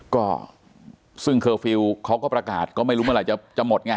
ก็ซึ่งเคอร์ฟิลล์เขาก็ประกาศก็ไม่รู้เมื่อไหร่จะหมดไง